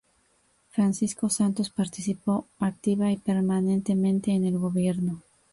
Francisco Santos participó activa y permanentemente en el gobierno.